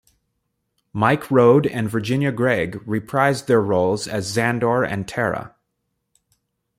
Mike Road and Virginia Gregg reprised their roles as Zandor and Tara.